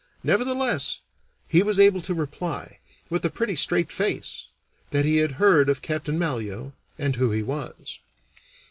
Nevertheless, he was able to reply, with a pretty straight face, that he had heard of Captain Malyoe and who he was.